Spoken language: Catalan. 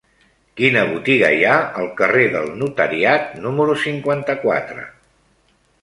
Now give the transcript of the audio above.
Quina botiga hi ha al carrer del Notariat número cinquanta-quatre?